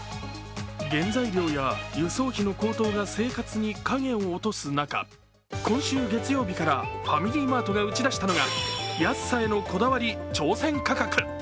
原材料や、輸送費の高騰が生活に影を落とす中今週月曜日からファミリーマートが打ち出したのが「安さへのこだわり挑戦価格！」。